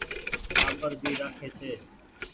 ٽآٻر ڀي رآکي ڇي۔